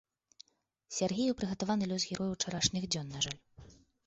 Сяргею прыгатаваны лёс героя ўчарашніх дзён, на жаль.